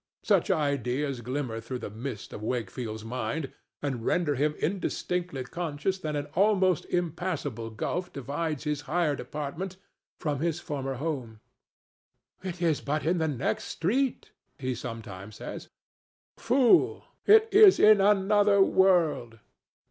Such ideas glimmer through the mist of Wakefield's mind and render him indistinctly conscious that an almost impassable gulf divides his hired apartment from his former home. "It is but in the next street," he sometimes says. Fool! it is in another world.